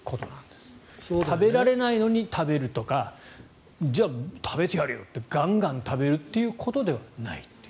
食べられないのに食べるとかじゃあ、食べてやるよってガンガン食べるということではない。